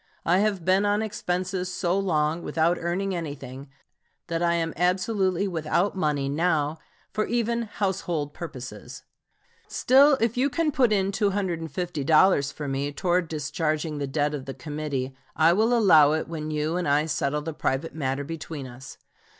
I have been on expenses so long without earning anything that I am absolutely without money now for even household purposes. Still, if you can put in $250 for me towards discharging the debt of the committee, I will allow it when you and I settle the private matter between us.